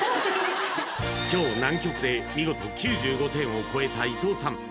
超難曲で見事９５点を超えた伊東さん